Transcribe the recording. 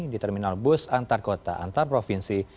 di terminal bus antar kota antar provinsi